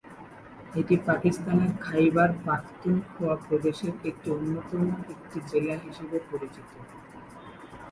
এটি পাকিস্তানের খাইবার পাখতুনখোয়া প্রদেশের একটি অন্যতম একটি জেলা হিসেবে পরিচিত।